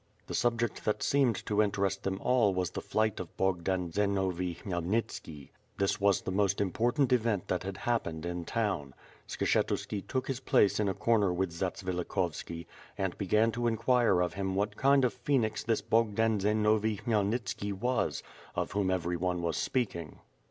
The subject that seemed to interest them all was the flight of Bogdan Zenovi Khmyelnitski. This w^s the most important event that had happened in town. Skshetuski took his place in a comer with Zatsvilikhovski, and began to inquire of him what kind of phoenix this Bogdan Zenovi Khmyelnitski was, of whom everyone was speaking.